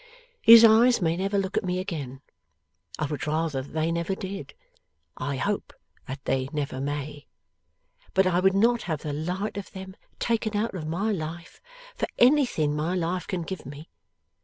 His eyes may never look at me again. I would rather that they never did; I hope that they never may. But I would not have the light of them taken out of my life, for anything my life can give me.